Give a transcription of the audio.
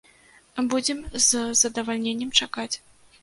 Будзем з задавальненнем чакаць.